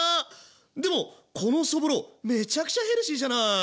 でもこのそぼろめちゃくちゃヘルシーじゃない！